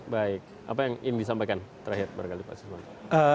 baik apa yang ingin disampaikan terakhir pak siswanto